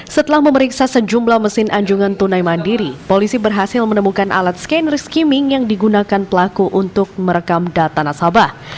setelah memeriksa sejumlah mesin anjungan tunai mandiri polisi berhasil menemukan alat scan riskiming yang digunakan pelaku untuk merekam data nasabah